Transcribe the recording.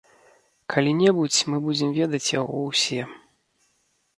Калі небудзь мы будзем ведаць яго ўсе.